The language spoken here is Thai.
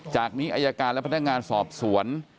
จากนี้อายการและพนักงานสอบสวน